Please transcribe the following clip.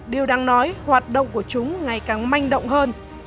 điều đáng nói hoạt động của chúng ngày càng manh động hơn